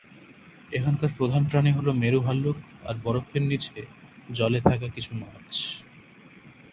এখানকার প্রধান প্রাণী হল মেরু ভাল্লুক আর বরফের নিচে জলে থাকা কিছু মাছ।